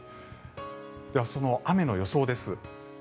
では、その雨の予想です。